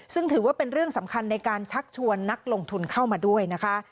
ซึ่งถือว่าเป็นเรื่องสำคัญในการชักชวนนักลงทุนเข้ามาด้วยนะคะ